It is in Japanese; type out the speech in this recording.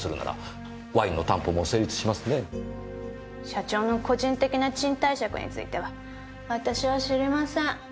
社長の個人的な賃貸借については私は知りません。